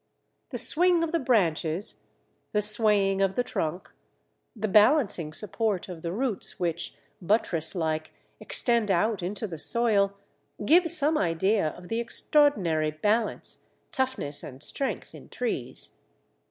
The swing of the branches, the swaying of the trunk, the balancing support of the roots which, buttress like, extend out into the soil, give some idea of the extraordinary balance, toughness, and strength in trees.